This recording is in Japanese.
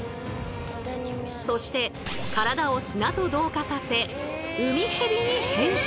そして体を砂と同化させウミヘビに変身。